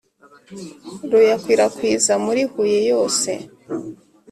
ruyakwirakwiza muri Huye yose